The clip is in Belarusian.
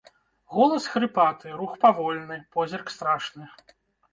Голас хрыпаты, рух павольны, позірк страшны.